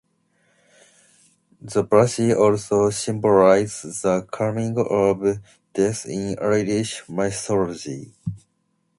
The Banshee also symbolizes the coming of death in Irish Mythology.